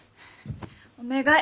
お願い。